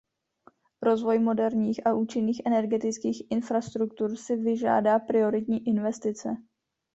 Rozvoj moderních a účinných energetických infrastruktur si vyžádá prioiritní investice.